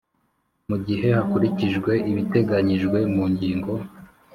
Mu gihe hakurikijwe ibiteganyijwe mu ngingo